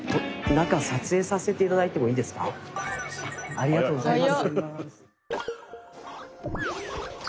ありがとうございます。